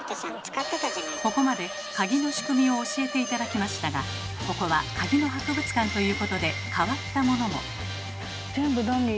ここまで鍵の仕組みを教えて頂きましたがここは鍵の博物館ということで変わったものも。